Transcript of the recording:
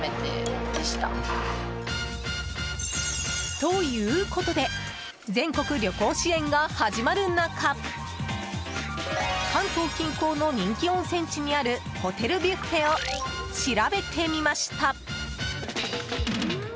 ということで全国旅行支援が始まる中関東近郊の人気温泉地にあるホテルビュッフェを調べてみました。